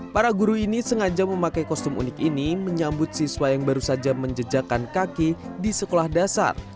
para guru ini sengaja memakai kostum unik ini menyambut siswa yang baru saja menjejakan kaki di sekolah dasar